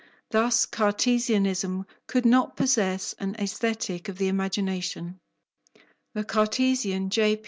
Thus Cartesianism could not possess an Aesthetic of the imagination. The Cartesian J.